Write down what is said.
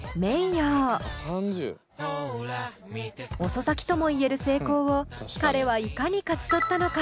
遅咲きとも言える成功を彼はいかに勝ち取ったのか？